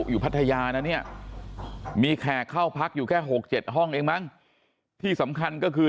พัทยานะเนี่ยมีแขกเข้าพักอยู่แค่๖๗ห้องเองมั้งที่สำคัญก็คือ